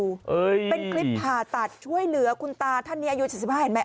เป็นคลิปผ่าตัดช่วยเหลือคุณตาท่านนี้อายุ๗๕เห็นไหม